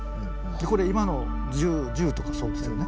これ今の銃とかそうですよね。